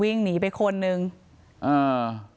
วิ่งหนีไปคนนึงอ่า